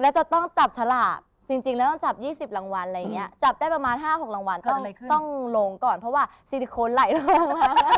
แล้วจะต้องจับฉลากจริงแล้วต้องจับ๒๐รางวัลอะไรอย่างนี้จับได้ประมาณ๕๖รางวัลต้องลงก่อนเพราะว่าซิลิโคนไหลแรงมาก